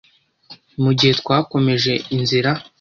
Mugihe twakomeje inzira